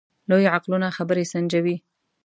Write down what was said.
لوی عقلونه خبرې سنجوي.